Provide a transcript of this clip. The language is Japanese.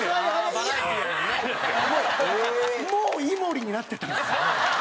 もう井森になってたんですよ。